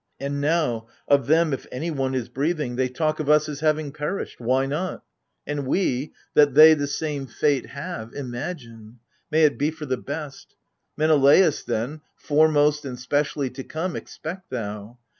And now — of them if anyone is breathing— .>' AGAMEMNON. 57 They talk of us as having perished : why not ? And we — that they the same fate have, imagine. May it be for the best ! Meneleos, then, Foremost and specially to come, expect thou